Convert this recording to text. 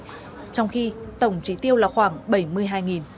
trong khi tổng trí tiêu là khoảng bảy mươi hai